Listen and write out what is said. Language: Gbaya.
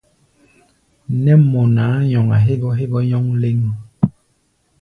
Nɛ́ mɔ nʼaá nyɔŋa hégɔ́ hégɔ́ nyɔ́ŋ léŋ.